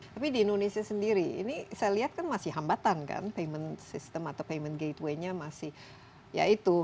tapi di indonesia sendiri ini saya lihat kan masih hambatan kan payment system atau payment gateway nya masih ya itu